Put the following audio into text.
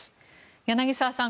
柳澤さん